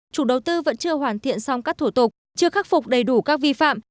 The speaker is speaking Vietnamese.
chủ đầu tư vẫn chưa hoàn thiện xong các thủ tục chưa khắc phục đầy đủ các vi phạm